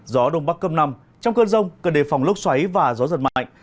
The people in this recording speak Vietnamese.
gió đông bắc cấp năm trong cơn rông cần đề phòng lốc xoáy và gió giật mạnh